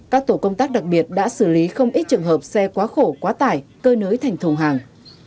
công tác đặc biệt đã xử lý không ít trường hợp xe quá khổ quá tải cơ nới thành thùng hàng